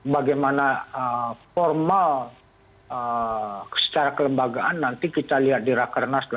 bagaimana formal secara kelembagaan nanti kita lihat di rakernas